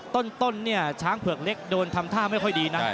ต้นเนี่ยช้างเผือกเล็กโดนทำท่าไม่ค่อยดีนะ